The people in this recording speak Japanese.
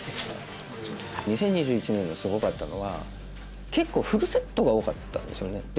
２０２１年のすごかったのは結構フルセットが多かったんですよね。